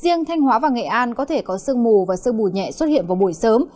riêng thanh hóa và nghệ an có thể có sương mù và sương mù nhẹ xuất hiện vào buổi sớm